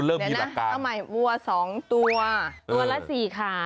เอาใหม่วัว๒ตัวตัวละ๔ขา